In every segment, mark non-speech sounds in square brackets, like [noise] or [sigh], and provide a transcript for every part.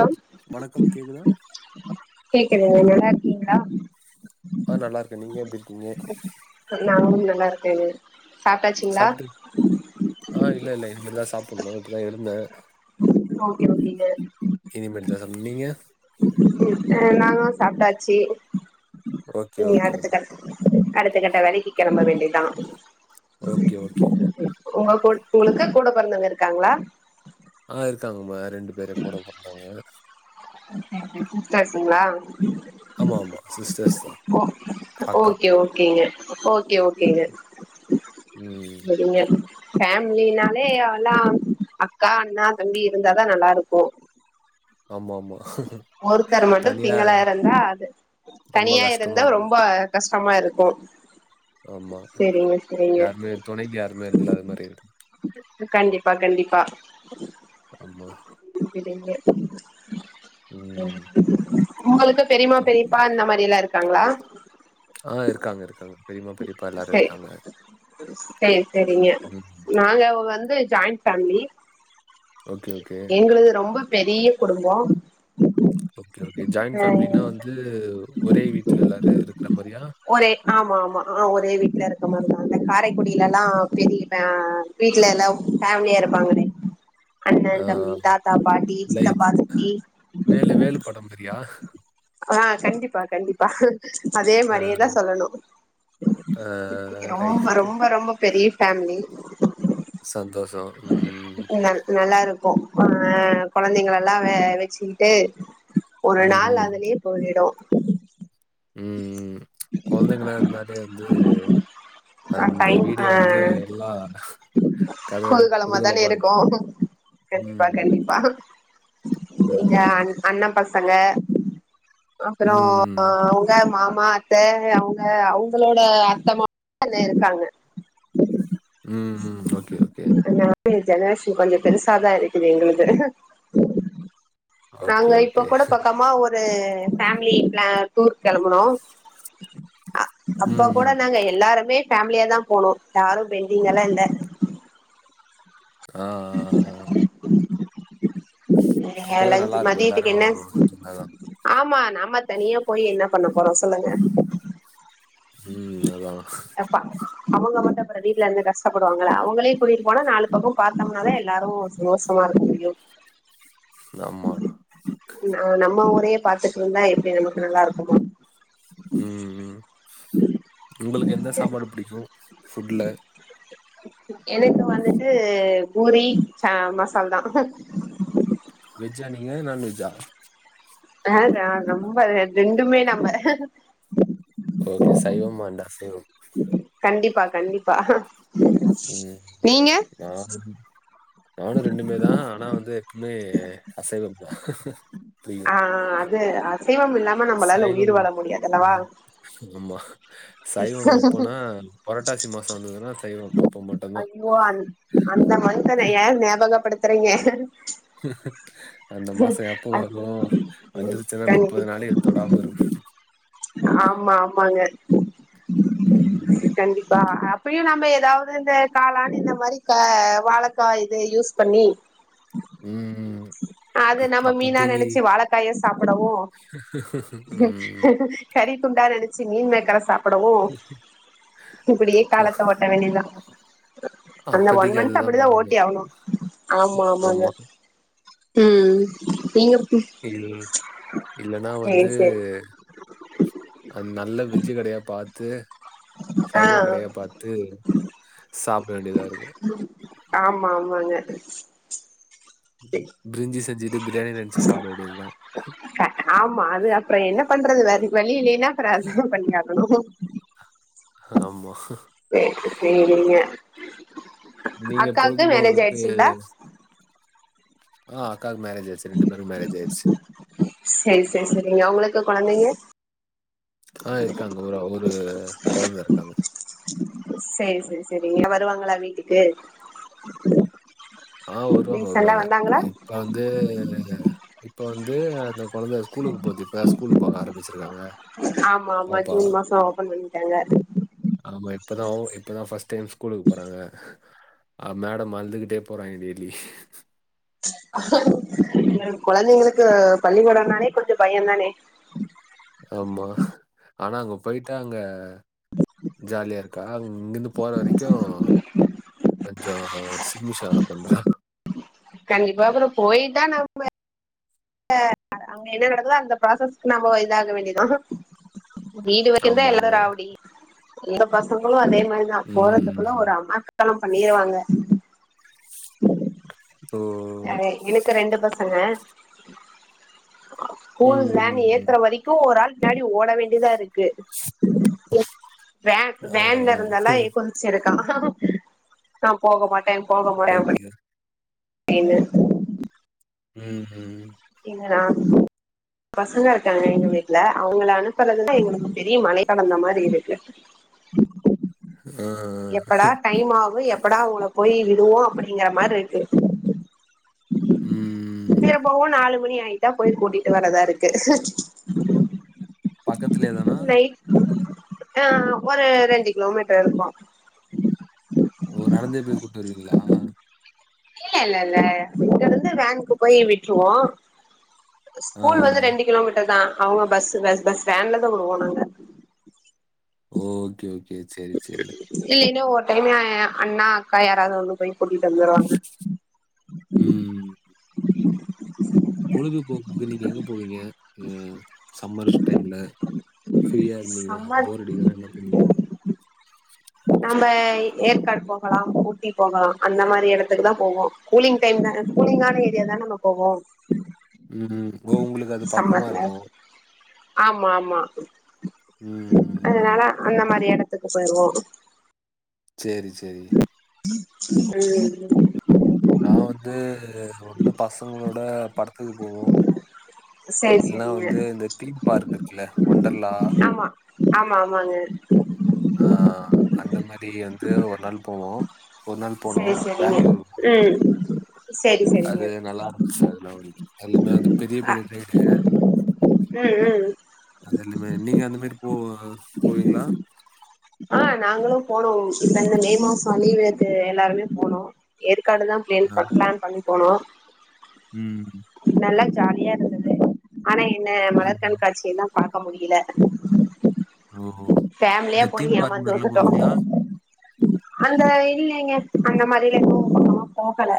Hello வணக்கம் கேக்குதா கேக்குதுங்க நல்லா இருக்கீங்களா ஆ நல்லாருக்கே நீங்க எப்டி இருக்கீங்க நாங்களு நல்லாருக்கேங்க சாப்ட்டாச்சுங்களா சாப்ட்டீங் ஆ இல்ல இல்ல இனிமேதா சாப்புட்னு இப்பதா எழுந்தே ஓகே ஓகேங்க இனிமேட்தா சா நீங்க ம் அ நாங்க சாப்ட்டாச்சி ஓகே இனி ஓகே அடுத்து க அடுத்த கட்ட வேலைக்கி கெளம்ப வேண்டியதா ஓகே ஓகேங்க ஒங்க கூட ஒங்ளுக்கு கூட பொறந்தவங்க இருக்காங்களா ஆ இருக்காங்கமா ரெண்டு பேரு கூட பொறந்தவங்க சிஸ்டர்ஸ்ங்களா ஆமா ஆமா சிஸ்டர்ஸ் தா அக்கா ஓகே ஓகேங்க ஓகே ஓகேங்க ம் சரிங்க ஃபேமிலினாலே அலா அக்கா அண்ணா தம்பி இருந்தாதா நல்லா இருக்கு ஆமாமா ஒருத்தர் மட்டு சிங்களா இருந்தா அது ரொம்ப தனியா கஷ்டமா இருந்தா இருக்கு ரொம்ப கஷ்டமா இருக்கு செரிங்க செரிங்க தொனைக்கு யாருமே இல்லாத மாரி இருக்கு கண்டிப்பா கண்டிப்பா ஆமா ம் உங்களுக்கு பெரிம்மா அப்- பெரிப்பா அந்த மாரில்லா இருக்காங்களா ஆ இருக்காங்க இருக்காங்க பெரிம்மா பெரிப்பா எல்லாரு இருக்காங்க சேரி சேரிங்க ம் நாங்க வந்து ஜாயிண்ட் ஃபேமிலி ஓகே ஓகே எங்களுது ரொம்ப பெரிய குடும்போ ஓகே ஓகே ஜாயிண்ட் ஆ ஃபேமிலினா வந்து ஒரே வீட்ல எல்லாரு இருக்கற மாரியா ஒரே ஆமா ஆமா ஆ ஒரே வீட்ல இருக்க மாரிதா அந்த காரைக்குடிலலா பெரிய ஆ வீட்லலா ஃபேமிலியா இருப்பாங்களே அண்ண ஆ தம்பி தாத்தா பாட்டி லைக் சித்தப்பா சித்தி வேலு வேலு படம் மாரியா ஆ கண்டிப்பா கண்டிப்பா அதே ஆ மாரியே தா சொல்லனு ஆ ரொம்ப ரைட். ரொம்ப ரொம்ப பெரிய ஃபேமிலி சந்தோஷோ நல் நல்லாருக்கோ ஆ கொழந்தைங்களலா வெச்சிக்கிட்டு ஒரு நாள் ம். அதுலயே போயிடு ம் ம் கொழந்தைங்கள்லா இருந்தாலே வந்து அந்த வீடே வந்து எல்லா கத கோல்கலமா தானே குதூகலமா இருக்கும். இருக்கு கண்டிப்பா ம். கண்டிப்பா எங்க ம். அண் அண்ண பசங்க அப்றோ ஆ ம். அவுங்க மாமா அத்த அவுங்க அவுங்களோட அத்த மாமா இன்னு இருக்காங்க ம் ம் ஓகே ஓகே எங்க ஜெனரேஷன் கொஞ்சோ பெருசாதா இருக்குது எங்களுது ஓகே, நாங்க இப்ப ஓகே. கூட பக்கமா ஒரு இது ஃபேமிலி பிளா டூர் கெளம்புனோ ஆ அப்ப கூட ம். நாங்க எல்லாருமே ஃபேமிலியா தா போனோ யாரு பெண்டிங்கெல்லா இல்ல ஆ ஆ ஆ. ஆ அப்பதான் லஞ் நல்லாருக்கும். மதியத்துக்கு எல்லாரும் என்ன இருந்தா தான். ஆமா நம்ம தனியா போய் என்ன பண்ண போறோ சொல்லுங்க ம் அதா எங்கப்பா அவங்க மட்டு அப்புற வீட்டல இருந்து கஷ்டப்படுவாங்கல்ல அவுங்களையு கூட்டிட்டு போனா நாலு பக்கம் பாத்தோம்னாலா எல்லாரு சந்தோஷமா இருக்கு ஆம்மா நா நம்ம ஊரையே பாத்துட்டு இருந்தா எப்டி நமக்கு நல்லா இருக்குமா ம் ம் உங்களுக்கு எந்த சாப்பாடு புடிக்கும் ஃபுட்ல எனக்கு வந்துட்டு பூரி ச மசால் தா வெஜ்ஜா நீங்க நான் வெஜ்ஜா ஆ நா நம்ம ரெண்டுமே நம்ம ஓகே சைவம் அண்ட் அசைவம் கண்டிப்பா கண்டிப்பா சேர் நீங்க நானுமே நானு ரெண்டுமே தா ஆனா வந்து இங்க ஏ அசைவமா புரிய்து ஆ அது அசைவம் இல்லாம நம்மளால உயிர் வாழ முடியாது அல்லவா செரிமா சைவம் எப்போனா பொரட்டாசி மாச வந்ததுனா சைவம் அப்ப மட்டுதா ஐயோ அந் அந்த மந்த்தன ஏ ஞாபகப்படுத்துறீங்க அந்த மாச எப்போ வரு வந்துருச்சுனா கண்டி நுப்பது நாளைக்கு தொடாம இருக்ணு ஆமா ஆமாங்க ம் பா அப்டியு நம்ப எதாவ்து இந்த காளான் இந்த மாரி க வாழக்கா இத யூஸ் பண்ணி ம் ம் அது நம்ம மீனா நெனச்சு வாழைக்காய சாப்புடவு ம் கறித் துண்டா நெனச்சு மீன் மேக்கர சாப்புடவு இப்டியே அப்போ காலத்த ஒட்ட வேண்டிய தா அந்த ஒன் அப்போதைக்கு மந்த் அதுதான் அப்டிதா ஓட்டி பண்ணணும் ஆகணு ஆமா ஆமாங்க ம் நீங்க ம் இல் இல்லைன்னா சேரி சேரி அங் நல்ல வெஜ்ஜு கடயா பாத் து ஆ சைவ கடயா பாத்து சாப்ட வேண்டியதா இருக்கு ஆமா ஆமாங்க பிரிஞ்சி செஞ்சுட்டு பிரியாணின் நெனச்சு சாப்ட வேண்டியதுதா அ ஆமா அது அப்ற என்ன பண்றது வேற வழி இல்லைனா அப்ற அதா பண்ணியாகணு ஆமா. சேரி சேரிங்க நீங்க அக்காக்கு பொழுது மேரேஜ் போக்குக்கு ஆயிடுச்சுங்களா ஆ அக்காக்கு மேரேஜ் ஆய்ருச்சு ரெண்டு பேருக்கு மேரேஜ் ஆய்ருச்சு சேரி சேரி சேரிங்க அவ்ங்களுக்கு கொழந்தைங்க ஆ இருக்காங்க ஒரா ஒரு கொழந்த இருக்காங்க சேரி சேரி சேரிங்க வருவாங்களா வீட்டுக்கு ஆ வருவாங்க ரீசண்டா வருவாங்க வந்தாங்களா இப்ப வந்து இப்ப வந்து அந்த கொழந்த ஸ்கூலுக்கு போது இப்ப ஸ்கூலுக்கு போக ஆரம்மிச்சிருக்காங்க ஆமா ஆமா ஜூன் மாச ஓப்பன் பண்ணிட்டாங்க ஆமா இப்பதா இப்பதா ஃபஸ்ட் டைம் ஸ்கூலுக்கு போறாங்க அ மேடம் அழுதுக்கிட்டே போறாங்க டெய்லி கொழந்தைங்களுக்கு பள்ளிக்கொட நாளே கொஞ்ச பயந்தானே ஆமா ஆனா அங்க போயிட்டா அங்க ஜாலியா இருக் கா இங்கிருந்து போற வரைக்கு கொஞ்சோ சில்மிஷ வேல பண்றா கண்டிப்பா அப்பற போயிதா நம்ப அ அங் அங்க என்ன நடக்குதோ அந்த ப்ராசஸ்க்கு நம்ம இதாக வேண்டியதா வீடு வக்கிரதா ஆமா எல்லா ஆமா ராவுடி எங்க பசங்களு அதே மாதி ரிதா ம் போறத்துக்குள்ள ஒரு அமர்க்கல பண்ணிருவாங்க தோ அதே எனக்கு ரெண்டு பசங்க ஸ்கூல் வேன் ம் ஏத்துற வரைக்கு ஒராள் பின்னாடி ஓட வேண்டியதா இருக் கு வேன் ஆ வேன்ல இருந்தல்லா இப்ப சிருக்கா நா போக மாட்டே போக மாட்டே ஓகே எங்க ம் ம் இல்ல நா பசங்க இருக்காங்க எங்க வீட்ல அவுங்கள அனுப்புறதுதா எங்களுக்கு பெரிய மலைய கடந்த மாரி இருக்கு ஆ எப்படா டைம் ஆகு எப்படா அவுங்கள போய் விடுவோ அப்டிங்கற மாரி இருக்கு ம் திரும்பவு நாலு மணி ஆயிட்டா போய் கூட்டிட்டு வரதா இருக்கு பக்கத்துலேயே தானா நைட் ஆ ஒரு ரெண்டு கிலோமீட்டர் இருக்கும் ஓ நடந்தே போய் கூட்டு வருவீங்களா இல்ல இல்ல இல்ல இங்க இருந்து வேனுக்கு போய் விட்ருவோ ஆ ஸ்கூல் வந்து ரெண்டு கிலோமீட்டர் தா அவுங்க பஸ் பஸ் வேன்ல தா உடுவோ நாங்க ஒ ஓகே ஓகே செரி செரி இல்லைன்னா ஒரு டைமே ஏ அண்ணா அக்கா யாராது ஒன்னு போயி கூட்டிட்டு வந்துடுவாங்க ம் பொழுதுபோக்குக்கு நீங்க எங்க போவீங்க ம் சம்மர்ஸ் டைம்ல ஃப்ரீயா இருந்திங்கனா செம்ம போர் அடிக்குதுனா என்ன பண்வீங்க நம்ம ஏற்காடு போகலா ஊட்டி போகலா அந்த மாரி எடத்துக்குதா போவோ கூலிங் டைம்தாங்க கூலிங்கான ஏரியா தானே நாம்ம போவோ ம் ம் ஓ உங்களுக்கு அது பக்கமா இருக்கு ஆமா ஆமா ம் அதனால அந்த மாரி எடத்துக்கு போயிருவோ சேரி சேரி உம் நா வந்து ஒன்னு பசங்களோட படத்துக்கு போவோ சரி இல்லனா சரிங்க வந்து இந்த தீம் பார்க் இருக்குல்ல ஒண்டர்லா ஆமா ஆமா ஆமாங்க ஆ அந்த மாரி வந்து ஒரு நாள் போவோ ஒரு நாள் போனோ சரி சரிங்க பெங்களூருக்கு ம் சரி அது சரிங்க நல்லா இருந்து சார் அது [unintelligible] அது எல்லாமே வந்து பெரிய அ பெரிய ட்ரெயினு ம் ம் அது எல்லமே நீங்க அந்த மாரி போவ போவீங்ளா ஆ நாங்களு போனோ இப்ப இந்த மே மாசம் லீவுக்கு எல்லாருமே போனோ ஏற்காடுதா ப்ளேன் அ. பண் ப்ளான் பண்ணி போனோ ம் நல்லா ஜாலியா இருந்துனது ஆனா என்ன மலர் ம். கண்காட்சியெல்லா பாக்க முடியில ஓ! ஃபேமிலியா இந்த போயி தீம் பார்க் ஏமாந்து மாரிலாம் வந்துட்டோ போவீங்களா? அந்த இல்லிங்க அந்த மாரிலா எதுவு சுத்தமா போகல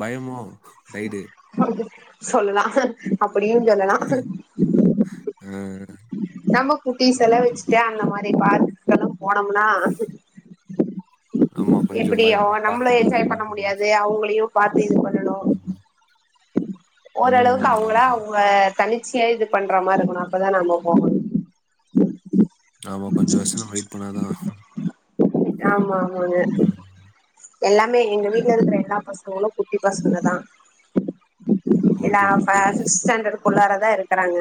பயமோ ரைடு அ சொல்லலா அப்படியு சொல்லலா ஆ நம்ம குட்டிஸ் எல்லா ஓகே. வெச்சுட்டு அந்த மாரி பார்க்கு எல்லா போனோம்னா ஆமா கொஞ்சம் எப்புடியு பயம். நம்ளு பார்த்து என்ஜாய் பத்திரமா பண்ண போணும். முடியாது அவுங்களையு பாத்து இது பண்ணணு ம். ஓரளவுக்கு ம். அவுங்களா ஆமா. அவுங்க தனிச்சியா இது பண்ற மாரி இருக்கணு அப்பதா நம்ம போகணு ஆமா கொஞ்சோ வருஷோ நம்ம வெயிட் பண்ணாதா ஆமா ஆமாங்க ம். எல்லாமே எங்க வீட்ல இருக்கிற எல்லா பசங்களு குட்டி பசங்க தா எல்லா ஓகே, பச ஓகே. சிஸ் ஸ்டாண்டர்க்குள்ளாரதா இருக்குறாங்க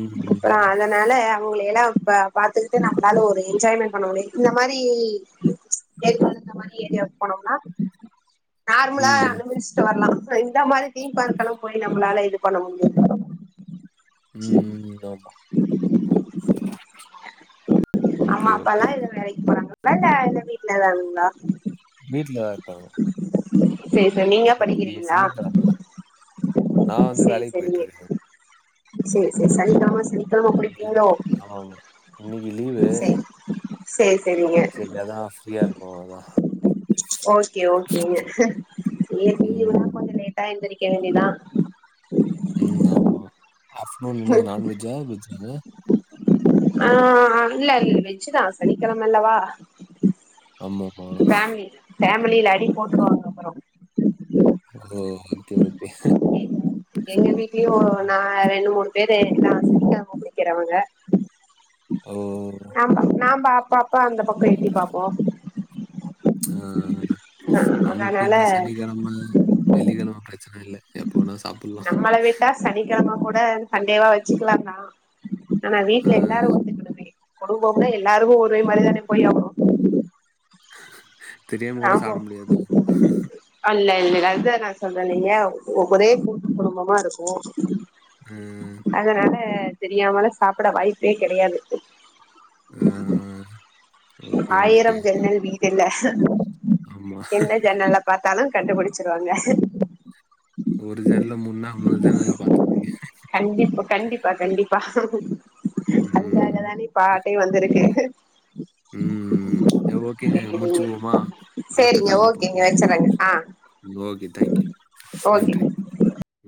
ம், அப்றோ ம், அதனால அவங்களைலா இப்ப பாத்துக்கிட்டு நம்ளால ஒரு என்ஜாய்மெண்ட் பண்ண முடி இந்த மாரி ஹெல்ப் இந்த மாரி ஏரியாவுக்கு போனோம்னா நார்முலா ம், அணுமிஸ் வரலா இந்த மாரி தீம் பார்க்கெல்லா போய் நம்மளால இது பண்ண முடியாத ம் ம் ஆமா ஓகே, அம்மா ஓகே. அப்பாலா இல்ல வேலைக்கு போறாங்க வாங்க இல்ல வீட்லதாங்களா வீட்டு்லதா இருப்பாங்க சேர் சேரி நீங்க இன்னைக்கு படிக்கிறீங்களா சனிக்கிழமல. நான் வந்து சேரி வேலைக்கு சேரிங்க போயிட்டுருக்கேன். சேர் சேர் சனிக்கெழம சனிக்கெழம குளிப்பீங்களோ ஆமா ஆமா இன்னிக்கு லீவு சேர் சேரிங்க திங்கள் தா ஃப்ரீயா இருக்கு அதா ஓகே ஓகே ஏ லீவுனா ம், கொஞ்சோ லேட்டா எழுந்திருக்க வேண்டியதா ம் ஆமா ஹஸ்பண்ட் என்னது நான்வெஜ்ஜா வெஜ்ஜாங்க ஆ இல்ல வெஜ் தா சனிக்கிழமல்லவா ஆமாமா. ஃபேமிலி ஃபேமிலில அடி போட்ருவாங்க அப்றோ ஓ ஓகே ஓகே எங்க வீட்லியு நா ரெண்டு மூணு பேரு எல்லா சனிக்கிழம குளிக்கிறவங்க ஓ ஆமா நாம்ப அப்ப அப்ப அந்த பக்கோ எட்டி பாப்போ ஆஆ நமக்கு அதனால இந்த சனிக்கிழம வெள்ளிக்கிழம பிரச்சன‌ இல்ல எப்போ வேணா சாப்பிடலாம். நம்மள விட்டா சனிக்கிழம கூட சண்டேவா வச்சீக்கலா தா ஆனா வீட்ல ஆ. எல்லாரு ஒத்துக்கணுமே குடும்பம்ன எல்லாரு ஒரே மாரி தானே போய் ஆவனு தெரியாம கூட சாப்ட முடியாதோ அல்ல இல்லடா அதா நா சொல்றேலிங்க ஒரே கூட்டு குடும்பமா இருக்கு ஆ அதனால தெரியாமலா சாப்பிட வாய்ப்பே கெடையாது ஆ ஆ ஆயிரம் ஜன்னல் வீடு இல்ல ஆமா. என்ன ஜன்னல்ல பாத்தாலு கண்டுபிடிச்சிருவாங்க ஒரு ஜன்ல்ல முடுன்னா அம்பது ஜன்னல்ல பாத்துக முடியு கண்டிப்பா கண்டிப் ப்பா கண்டிப்பா ம் தனி பாட்டே வந்திருக்கு ம்ம் ஓகேங்க முடிச்சு போமா அடுத்த சேரிங்க கால்ல ஓகேங்க பாப்போ வச்சறேங்க ஆ ஓகே டேங்க்யூ ஓகே நன்றி ம்.